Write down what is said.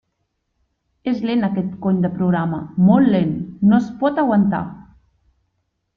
És lent aquest cony de programa, molt lent, no es pot aguantar!